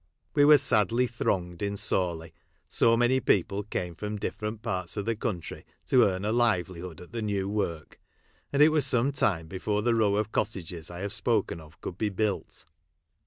We were sadly thronged iu Sawley. so many people came from different parts of the country to earn a livelihood at the new work ; and it was some time before the row of cottages I have spoken of could be built.